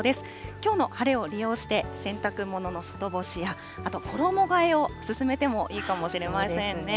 きょうの晴れを利用して、洗濯物の外干しや、あと衣がえを進めてもいいかもしれませんね。